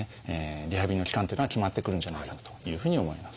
リハビリの期間っていうのは決まってくるんじゃないかというふうに思います。